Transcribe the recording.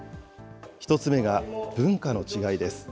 １つ目が文化の違いです。